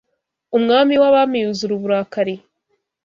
Umwami w’abami yuzura uburakari,